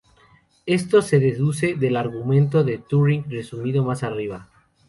Esto se deduce del argumento de Turing resumido más arriba.